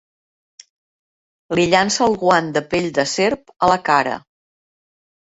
Li llança el guant de pell de serp a la cara.